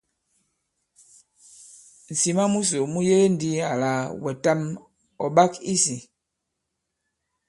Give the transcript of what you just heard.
Ŋ̀sìma musò mu yege ndī àlà wɛ̀tàm ɔ̀ ɓak i sī.